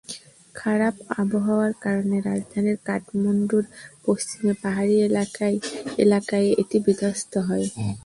খারাপ আবহাওয়ার কারণে রাজধানী কাঠমান্ডুর পশ্চিমে পাহাড়ি এলাকায়ে এটি বিধ্বস্ত হয়।